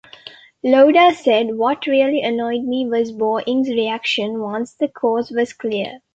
Lauda said, what really annoyed me was Boeing's reaction once the cause was clear.